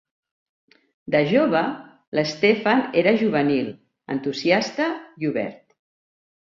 De jove, l'Stephan era juvenil, entusiasta i obert.